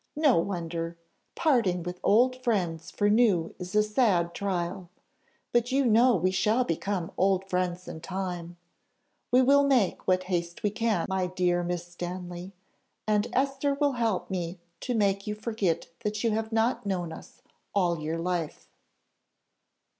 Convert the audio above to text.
no wonder parting with old friends for new is a sad trial: but you know we shall become old friends in time: we will make what haste we can, my dear Miss Stanley, and Esther will help me to make you forget that you have not known us all your life."